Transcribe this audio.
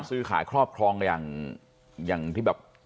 ซื้อขายครอบครองอย่างที่แบบ